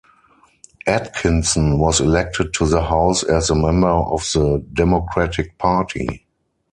Atkinson was elected to the House as a member of the Democratic Party.